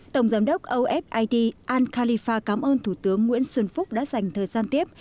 tổng giám đốc ofid an khalifa cảm ơn thủ tướng nguyễn xuân phúc đã dành thời gian tiếp